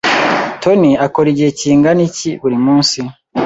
Tony akora igihe kingana iki buri munsi?